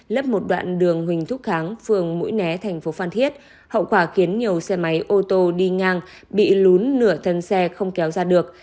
lấp một đoạn đường huỳnh thúc kháng phường mũi né thành phố phan thiết hậu quả khiến nhiều xe máy ô tô đi ngang bị lún nửa thân xe không kéo ra được